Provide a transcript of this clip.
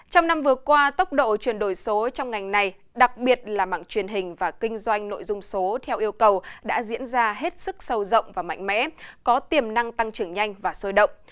trong năm vừa qua tốc độ chuyển đổi số trong ngành này đặc biệt là mạng truyền hình và kinh doanh nội dung số theo yêu cầu đã diễn ra hết sức sâu rộng và mạnh mẽ có tiềm năng tăng trưởng nhanh và sôi động